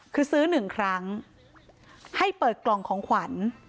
คือซื้อหนึ่งครั้งให้เปิดกล่องของขวัญ